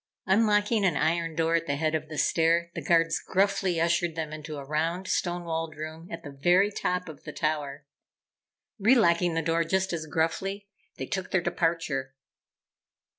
Unlocking an iron door at the head of the stair, the Guards gruffly ushered them into a round, stone walled room at the very top of the tower. Relocking the door just as gruffly, they took their departure.